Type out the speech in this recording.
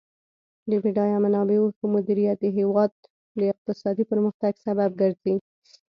د بډایه منابعو ښه مدیریت د هیواد د اقتصادي پرمختګ سبب ګرځي.